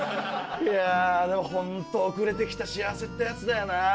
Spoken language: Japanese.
いやでもホント遅れて来た幸せってやつだよな。